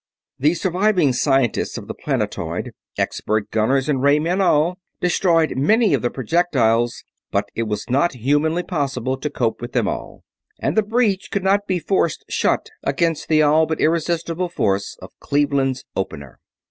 The surviving scientists of the planetoid, expert gunners and ray men all, destroyed many of the projectiles, but it was not humanly possible to cope with them all. And the breach could not be forced shut against the all but irresistible force of Cleveland's "opener".